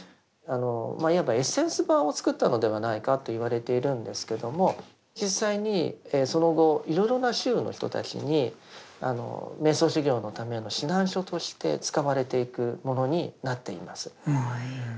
いわばエッセンス版を作ったのではないかと言われているんですけども実際にその後いろいろな宗の人たちに瞑想修行のための指南書として使われていくものになっています。